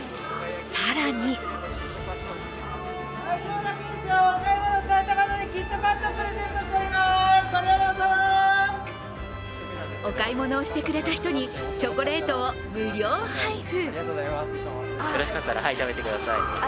更にお買い物をしてくれた人にチョコレートを無料配布。